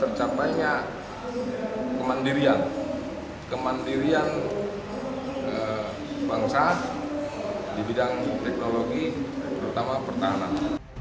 tercapainya kemandirian kemandirian bangsa di bidang teknologi terutama pertahanan